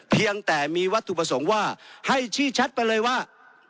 เพียงแต่มีวัตถุประสงค์ว่าให้ชี้ชัดไปเลยว่า